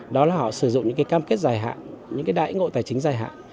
đó là họ sử dụng những cái cam kết dài hạn những cái đại ngộ tài chính dài hạn